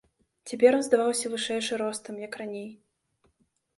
Цяпер ён здаваўся вышэйшы ростам, як раней.